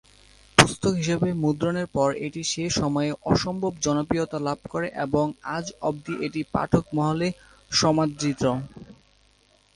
পুস্তক হিসেবে মুদ্রণের পর এটি সে সময়ে অসম্ভব জনপ্রিয়তা লাভ করে এবং আজ অবধি এটি পাঠক মহলে সমাদৃত।